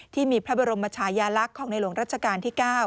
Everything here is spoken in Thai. ที่มีพระบรมชายาลักษณ์ของในหลวงรัชกาลที่๙